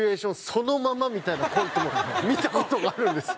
そのままみたいなコントも見た事があるんです。